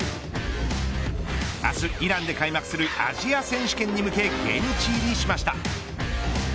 明日、イランで開幕するアジア選手権に向け現地入りしました。